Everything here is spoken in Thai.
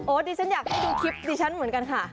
ดิฉันอยากให้ดูคลิปดิฉันเหมือนกันค่ะ